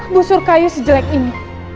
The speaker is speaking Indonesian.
busur kayu sejelek ini